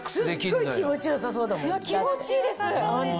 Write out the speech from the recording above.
いや気持ちいいです！